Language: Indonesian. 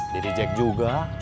diri jack juga